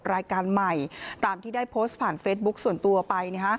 รายการใหม่ตามที่ได้โพสต์ผ่านเฟซบุ๊คส่วนตัวไป